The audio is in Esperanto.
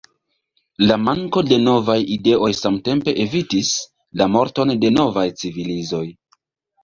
La manko de novaj ideoj samtempe evitis la morton de novaj civilizoj.